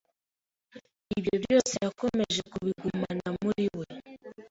Ibyo byose yakomeje kubigumana muri we,